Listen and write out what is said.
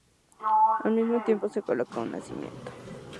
Al mismo tiempo se coloca un nacimiento.